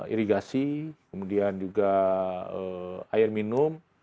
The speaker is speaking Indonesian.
irigasi kemudian juga air minum